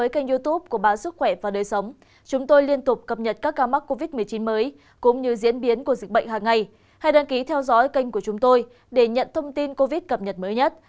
các bạn hãy đăng ký kênh của chúng tôi để nhận thông tin cập nhật mới nhất